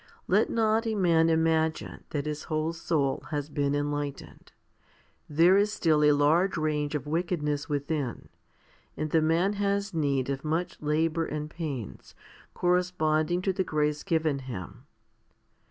Let not a man imagine that his whole soul has been enlightened. There is still a large range of wickedness within, and the man has need of much labour and pains, corresponding to the grace given him.